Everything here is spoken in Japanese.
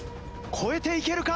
越えていけるか？